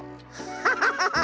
ハハハハ！